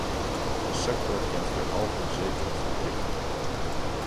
De sector kent derhalve zekere verplichtingen.